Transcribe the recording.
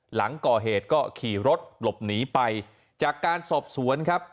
หลังก่อเหตุก็ขี่รถหลบหนีไปจากการสอบสวนครับ